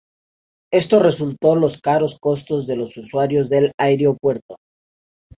Esto resultó los caros costos de los usuarios del aeropuerto.